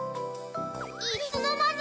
いつのまに？